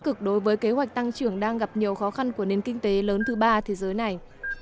cực đối với kế hoạch tăng trưởng đang gặp nhiều khó khăn của nền kinh tế lớn thứ ba thế giới này